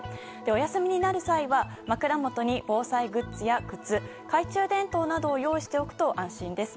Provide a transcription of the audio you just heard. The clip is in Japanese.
お休みになる際は枕元に防災グッズや靴懐中電灯などを用意しておくと安心です。